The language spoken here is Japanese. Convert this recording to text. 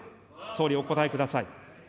総理、お答えください。